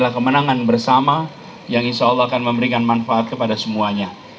dan kemenangan bersama yang insya allah akan memberikan manfaat kepada semuanya